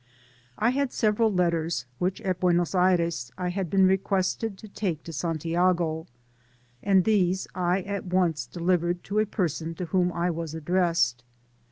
I had several letters, which at Buenos Aires I had been requested to take to Santiago, and these I at once delivered to a person to whom I was addressed.